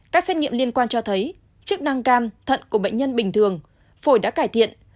các xét nghiệm liên quan cho thấy chức năng can thận của bệnh nhân bình thường phổi đã cải thiện